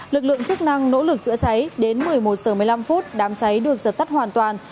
lực lượng chức năng nỗ lực chữa cháy đến một mươi một h một mươi năm đám cháy được dập tắt hoàn toàn